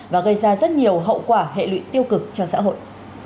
và gây ra rất nhiều hậu quả hệ lụy tiêu cực cho xã hội